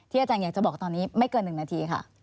อาจารย์อยากจะบอกตอนนี้ไม่เกิน๑นาทีค่ะ